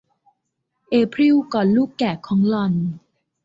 เอพริลกอดลูกแกะของหล่อน